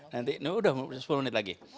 nanti ini udah sepuluh menit lagi